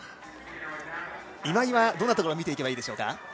今井はどんなところを見ていけばいいでしょうか。